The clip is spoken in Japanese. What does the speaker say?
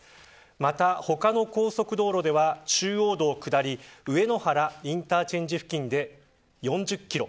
また、他の高速道路では中央道下り上野原インターチェンジ付近で４０キロ